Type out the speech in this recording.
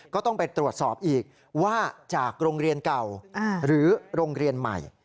ก็ต้องไปตรวจสอบอีกว่าจากโรงเรียนเก่าหรือโรงเรียนใหม่